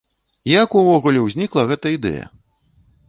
Як увогуле ўзнікла гэта ідэя?